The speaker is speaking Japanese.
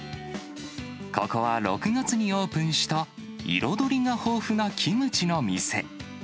ここは６月にオープンした、彩りが豊富なキムチの店。